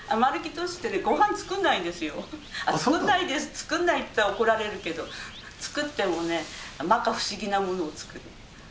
作んないって言ったら怒られるけど作ってもね摩訶不思議なものを作る。